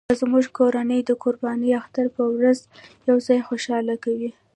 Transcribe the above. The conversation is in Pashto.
زموږ کورنۍ د قرباني اختر په ورځ یو ځای خوشحالي کوي